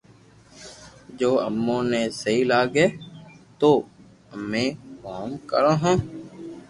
جوي امو نو سھيي لاگي تو امو ڪوم ڪرو ھون